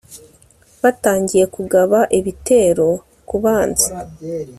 batangiye kugaba ibitero ku banzi